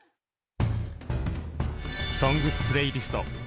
「ＳＯＮＧＳ」プレイリスト